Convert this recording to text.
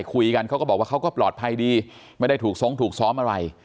คุยกันเขาก็บอกว่าเขาก็ปลอดภัยดีไม่ได้ถูกทรงถูกซ้อมอะไร